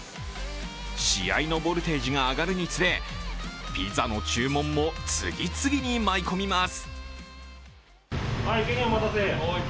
試合のボルテージが上がるにつれピザの注文も次々に舞い込みます。